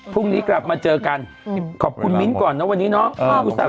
พรุ่งนี้กลับมาเจอกันขอบคุณมิ้นท์ก่อนนะวันนี้เนาะ